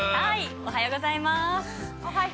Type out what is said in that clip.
おはようございます。